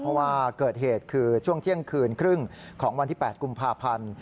เพราะว่าเกิดเหตุคือช่วงเที่ยงคืนครึ่งของวันที่๘กุมภาพันธ์